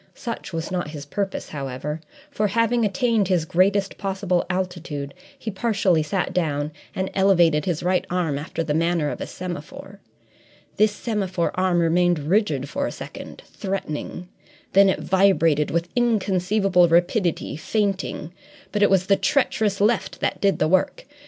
Such was not his purpose, however, for, having attained his greatest possible altitude, he partially sat down and elevated his right arm after the manner of a semaphore. This semaphore arm remained rigid for a second, threatening; then it vibrated with inconceivable rapidity, feinting. But it was the treacherous left that did the work.